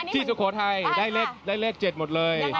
สุโขทัยได้เลข๗หมดเลย